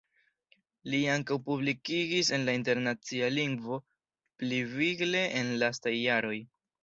Li ankaŭ publikigis en la internacia lingvo, pli vigle en lastaj jaroj.